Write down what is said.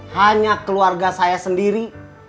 hanya keluarga saya sendiri